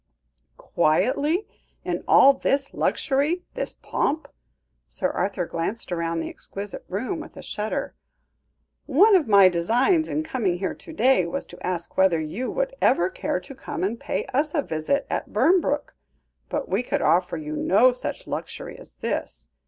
"Quietly? In all this luxury, this pomp?" Sir Arthur glanced round the exquisite room with a shudder. "One of my designs in coming here to day, was to ask whether you would ever care to come and pay us a visit at Burnbrooke, but we could offer you no such luxury as this.